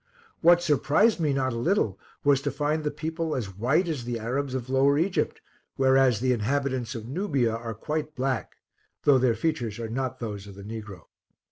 What surprised me not a little, was to find the people as white as the Arabs of Lower Egypt, whereas the inhabitants of Nubia are quite black, though their features are not those of the Negro.